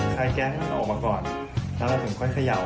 คลายแก๊สออกมาก่อนถ้าเราถึงค่อยขย่าว